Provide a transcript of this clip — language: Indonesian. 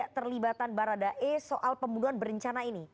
terlibatan barada e soal pembunuhan berencana ini